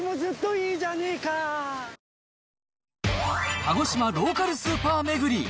鹿児島ローカルスーパー巡り。